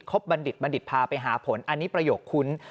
บัณฑิตบัณฑิตพาไปหาผลอันนี้ประโยคคุ้น